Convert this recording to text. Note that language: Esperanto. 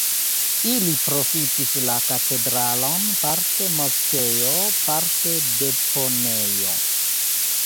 Ili profitis la katedralon parte moskeo, parte deponejo.